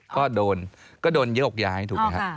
ก็โดนยกย้ายถูกนะครับ